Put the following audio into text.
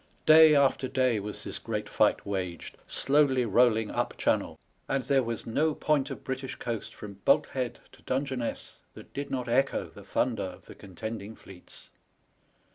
Day after day was this great fight waged, slowly rolling up Channel, and there was no point of British coast from Bolt Head to Dungeness that did not echo the thunder of the contending fleets.